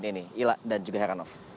ila dan juga heranov